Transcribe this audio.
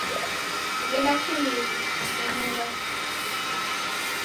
Ghenda kimbiri, nikunugha